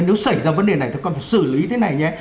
nếu xảy ra vấn đề này thì con phải xử lý thế này nhé